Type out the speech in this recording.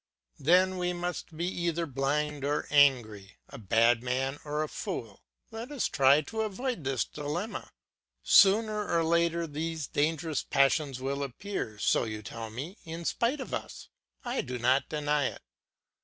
Then we must be either blind or angry, a bad man or a fool; let us try to avoid this dilemma. Sooner or later these dangerous passions will appear, so you tell me, in spite of us. I do not deny it.